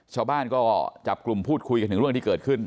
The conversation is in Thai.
ชาวบ้านก็จับกลุ่มพูดคุยกันถึงเรื่องที่เกิดขึ้น